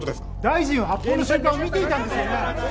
大臣は発砲の瞬間を見ていたんですよね？